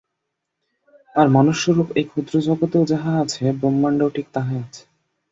আর মনুষ্যরূপ এই ক্ষুদ্র জগতেও যাহা আছে, ব্রহ্মাণ্ডেও ঠিক তাহাই আছে।